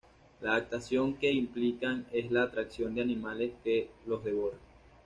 La adaptación que implican es la atracción de animales, que los devoran.